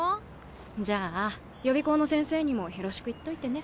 じゃあ予備校の先生にもよろしく言っといてね。